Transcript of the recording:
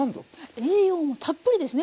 栄養もたっぷりですね